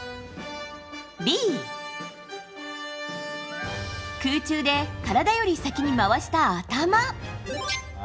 Ｂ、空中で体より先に回した頭。